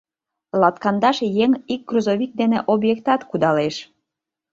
Латкандаш еҥ ик грузовик дене объектат кудалеш.